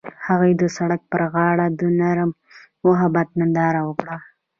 هغوی د سړک پر غاړه د نرم محبت ننداره وکړه.